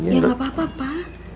ya gak apa apa